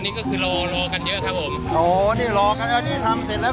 นี่เป็นครั้งแรกของเราที่ไลน์